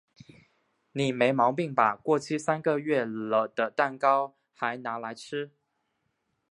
你没毛病吧？过期三个月了的蛋糕嗨拿来吃？